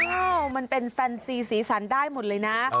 มันเป็นแฟนซีสีสันได้หมดเลยนะ